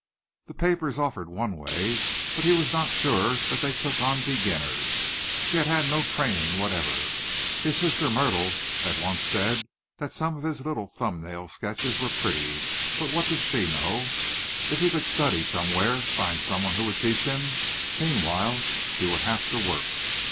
The papers offered one way, but he was not sure that they took on beginners. He had had no training whatever. His sister Myrtle had once said that some of his little thumb nail sketches were pretty, but what did she know? If he could study somewhere, find someone who would teach him.... Meanwhile he would have to work.